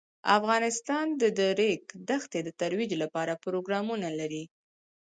افغانستان د د ریګ دښتې د ترویج لپاره پروګرامونه لري.